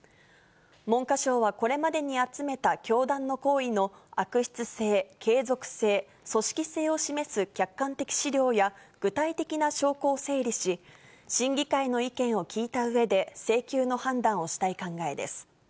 文科省はこれまでに集めた教団の行為の悪質性、継続性、組織性を示す客観的資料や具体的な証拠を整理し、審議会の意見を聞いたうえで、請求の判断をしたい考えです。